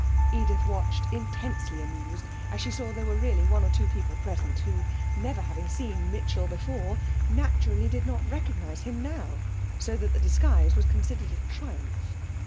Edith watched, intensely amused, as she saw that there were really one or two people present who, never having seen Mitchell before, naturally did not recognise him now, so that the disguise was considered a triumph.